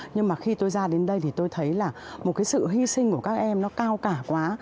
nhưng mà khi tôi ra đến đây thì tôi thấy là một cái sự hy sinh của các em nó cao cả quá